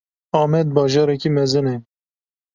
Amed bajarekî mezin e.